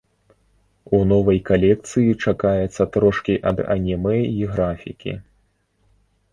У новай калекцыі чакаецца трошкі ад анімэ і графікі.